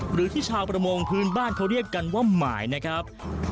หรือที่ชาวประมงพื้นบ้านเขาเรียกกันว่าหมายนะครับ